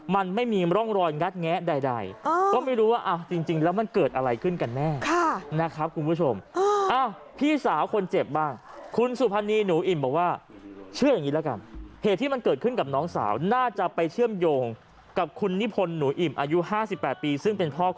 มันไม่มีร่องรอยงัดแงะใดก็ไม่รู้ว่าอ่ะจริงแล้วมันเกิดอะไรขึ้นกันแม่